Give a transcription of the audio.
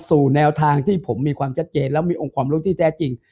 แนวทางที่ผมมีความชัดเจนแล้วมีองค์ความรู้ที่แท้จริง